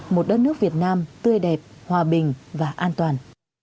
một đất nước việt nam tươi đẹp hòa bình và an toàn